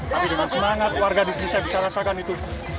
tapi dengan semangat warga disini saya bisa rasakan itu